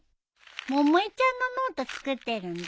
百恵ちゃんのノート作ってるんだ。